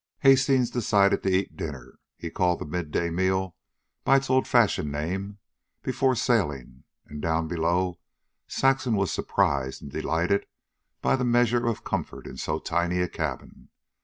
Hastings decided to eat dinner he called the midday meal by its old fashioned name before sailing; and down below Saxon was surprised and delighted by the measure of comfort in so tiny a cabin.